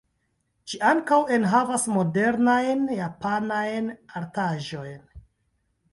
Ĝi ankaŭ enhavas modernajn japanajn artaĵojn.